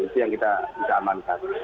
itu yang kita amankan